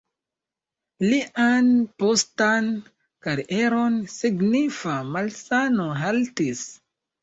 Lian postan karieron signifa malsano haltis.